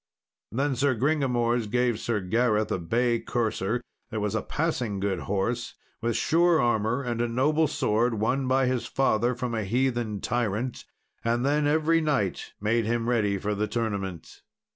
Then Sir Gringamors gave Sir Gareth a bay courser that was a passing good horse, with sure armour, and a noble sword, won by his father from a heathen tyrant. And then every knight made him ready for the tournament.